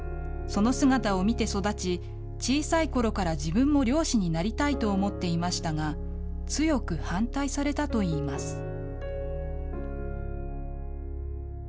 その姿を見て育ち、小さいころから自分も漁師になりたいと思っていましたが、強く反対されたといいます。